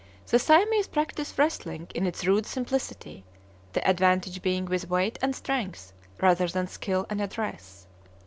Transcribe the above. The Siamese practise wrestling in its rude simplicity, the advantage being with weight and strength, rather than skill and address.